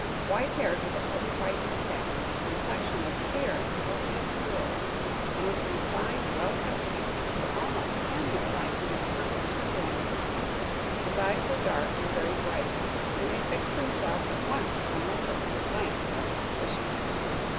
White haired, with a heavy white moustache, his complexion was clear and healthy as a girl's, and his refined, well cut features were almost cameo like in their perfect chiselling His eyes were dark, and very bright, and they fixed themselves at once upon Rupert with a glance of suspicion.